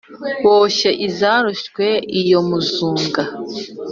Boshye izarozwe iyo muzunga.